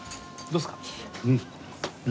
どうですか？